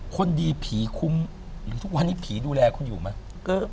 คนดีผีคุ้มหรือทุกวันนี้ผีดูแลคุณอยู่ไหม